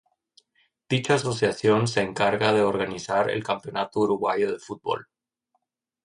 Dicha asociación se encarga de organizar el Campeonato Uruguayo de Fútbol.